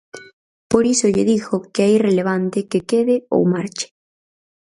Por iso lle digo que é irrelevante que quede ou marche.